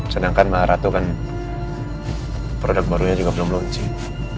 sedangkan maharatu kan produk barunya juga belum launching